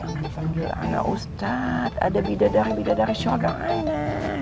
jangan panggil ana ustadz ada bidadara bidadara syurga ana